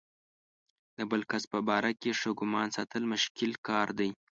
د بل کس په باره کې ښه ګمان ساتل مشکل کار دی.